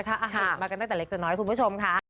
แต่หนูไปแจ๊กแซนฉันไม่ได้นะ